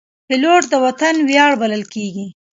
پیلوټ د وطن ویاړ بلل کېږي.